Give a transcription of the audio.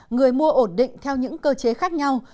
người mua ổn định theo những cơ chế khác nhau